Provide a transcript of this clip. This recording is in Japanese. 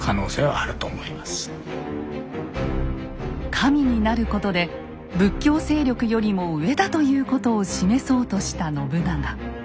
神になることで仏教勢力よりも上だということを示そうとした信長。